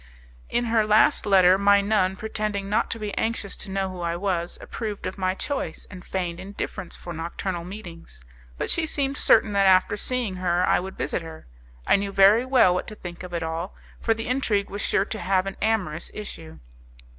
In her last letter, my nun, pretending not to be anxious to know who I was, approved of my choice, and feigned indifference for nocturnal meetings; but she seemed certain that after seeing her I would visit her. I knew very well what to think of it all, for the intrigue was sure to have an amorous issue.